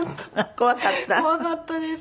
怖かったです